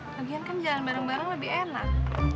bagian kan jalan bareng bareng lebih enak